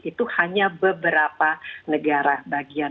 itu hanya beberapa negara bagian